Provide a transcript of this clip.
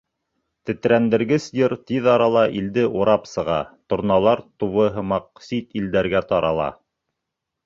Тетрәндергес йыр тиҙ арала илде урап сыға, торналар тубы һымаҡ сит илдәргә тарала.